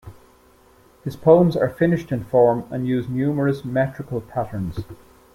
His poems are finished in form and use numerous metrical patterns.